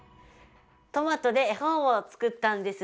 トマトで絵本を作ったんです。